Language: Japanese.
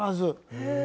へえ。